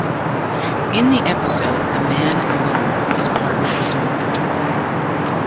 In the episode "A Man Alone" his partner is murdered.